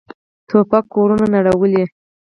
توپک کورونه نړولي.